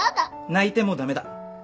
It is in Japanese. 泣いても駄目だ。